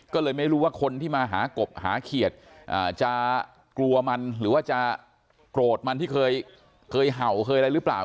ก็เลยไม่รู้ว่าคนที่มาหากบหาเขียดจะกลัวมันหรือว่าจะโกรธมันที่เคยเห่าเคยอะไรหรือเปล่า